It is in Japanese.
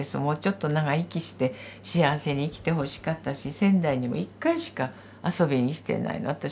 もうちょっと長生きして幸せに生きてほしかったし仙台にも１回しか遊びに来てないの。